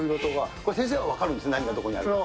これ、先生は分かるんですね、何がどこにあるか。